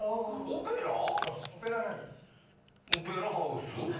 「オペラハウス」？